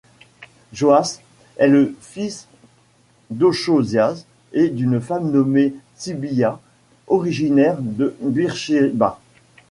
Joas est le fils d'Ochozias et d'une femme nommée Tsibya, originaire de Beersheba.